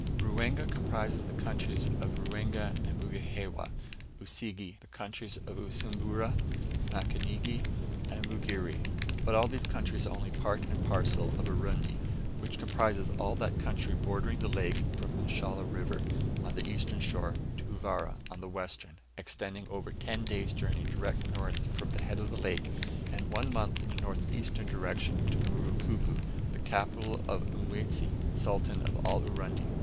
Ruwenga comprises the countries of Ruwenga and Mugihewa; Usige, the countries of Usumbura, Mukanigi, and Mugere. But all these countries are only part and parcel of Urundi, which comprises all that country bordering the lake from Mshala River, on the eastern shore, to Uvira, on the western, extending over ten days' journey direct north from the head of the lake, and one month in a northeastern direction to Murukuko, the capital of Mwezi, Sultan of all Urundi.